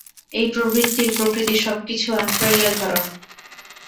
এই প্রবৃত্তির প্রকৃতি সব কিছু আঁকড়াইয়া ধরা।